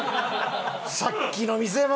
さっきの店も！